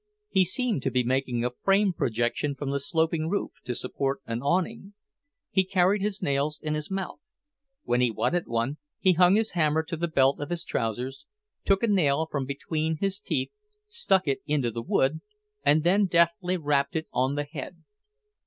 He seemed to be making a frame projection from the sloping roof, to support an awning. He carried his nails in his mouth. When he wanted one, he hung his hammer to the belt of his trousers, took a nail from between his teeth, stuck it into the wood, and then deftly rapped it on the head.